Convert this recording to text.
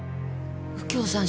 右京さん